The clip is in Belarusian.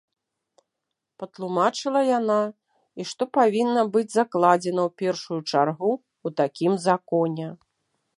Патлумачыла яна, і што павінна быць закладзена ў першую чаргу ў такім законе.